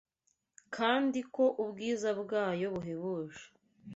kandi ko ubwiza bwayo buhebuje